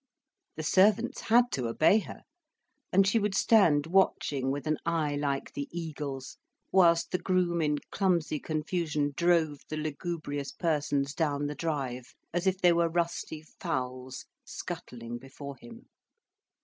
The servants had to obey her. And she would stand watching with an eye like the eagle's, whilst the groom in clumsy confusion drove the lugubrious persons down the drive, as if they were rusty fowls, scuttling before him.